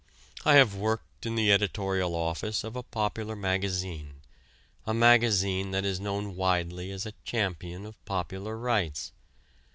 I have worked in the editorial office of a popular magazine, a magazine that is known widely as a champion of popular rights.